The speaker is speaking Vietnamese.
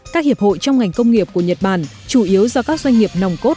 các hiệp hội trong ngành công nghiệp của nhật bản chủ yếu do các doanh nghiệp nòng cốt